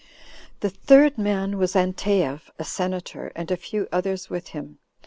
The third man was Anteius, a senator, and a few others with him.